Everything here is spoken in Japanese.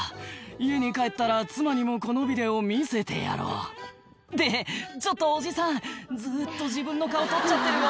「家に帰ったら妻にもこのビデオ見せてやろう」ってちょっとおじさんずっと自分の顔撮っちゃってるよ